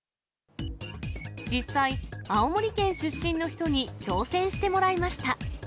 実際、青森県出身の人に挑戦してもらいました。